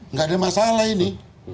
nggak ada masalah ini